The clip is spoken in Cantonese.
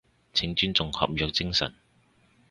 請尊重合約精神